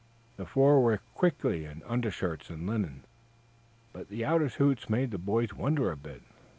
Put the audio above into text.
The four were quickly in undershirts and linen. But the outer suits made the boys wonder a bit.